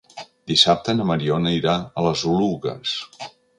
Dissabte na Mariona irà a les Oluges.